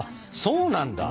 そうなんだ。